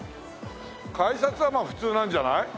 改札はまあ普通なんじゃない？